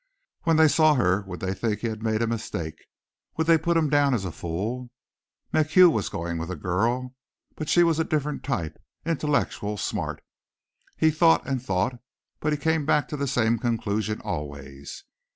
When they saw her would they think he had made a mistake, would they put him down as a fool? MacHugh was going with a girl, but she was a different type intellectual, smart. He thought and thought, but he came back to the same conclusion always.